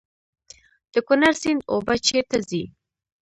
د کونړ سیند اوبه چیرته ځي؟